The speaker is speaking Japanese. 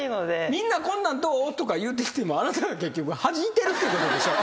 みんな「こんなんどう？」とか言ってきてもあなたが結局はじいてるってことでしょ？